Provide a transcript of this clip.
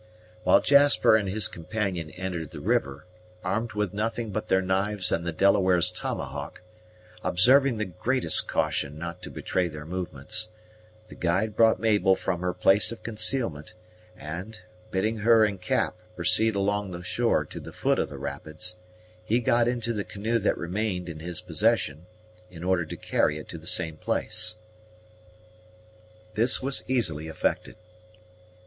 While Jasper and his companion entered the river, armed with nothing but their knives and the Delaware's tomahawk, observing the greatest caution not to betray their movements, the guide brought Mabel from her place of concealment, and, bidding her and Cap proceed along the shore to the foot of the rapids, he got into the canoe that remained in his possession, in order to carry it to the same place. This was easily effected.